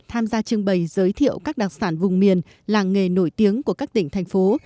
tham gia trưng bày giới thiệu các đặc sản vùng miền làng nghề nổi tiếng của các tỉnh thành phố